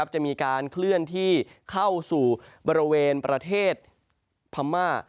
จะมีการเคลื่อนที่เข้าสู่บริเวณประเทศพม่า